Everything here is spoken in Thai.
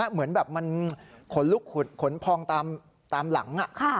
เหมือนแบบมันขนลุกขุดขนพองตามหลัง